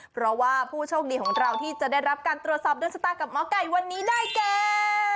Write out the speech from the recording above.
เพราะว่าผู้โชคดีของเราที่จะได้รับการตรวจสอบโดนชะตากับหมอไก่วันนี้ได้แก